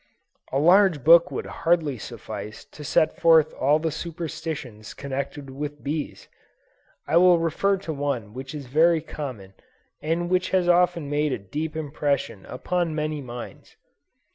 A large book would hardly suffice to set forth all the superstitions connected with bees. I will refer to one which is very common and which has often made a deep impression upon many minds.